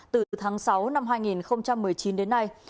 từ tháng sáu năm hai nghìn một mươi chín đến nay